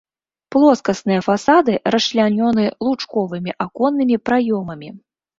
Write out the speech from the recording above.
Плоскасныя фасады расчлянёны лучковымі аконнымі праёмамі.